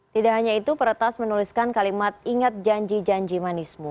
tidak hanya itu peretas menuliskan kalimat ingat janji janji manismu